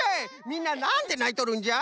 みんななんでないとるんじゃ？